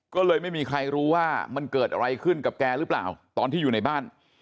ก็เลยไม่มีใครรู้ว่ามันเกิดอะไรขึ้นกับแกหรือเปล่าตอนที่อยู่ในบ้าน